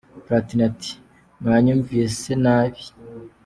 Platini ati « Mwanyumvishe nabi ».